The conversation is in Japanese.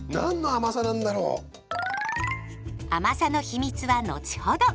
甘さの秘密は後ほど。